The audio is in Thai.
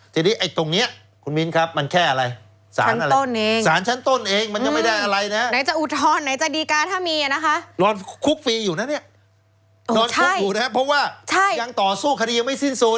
นอนคุกถูกนะฮะเพราะว่ายังต่อสู้คดียังไม่สิ้นสุด